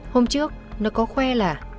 hôm trước nó có khoe là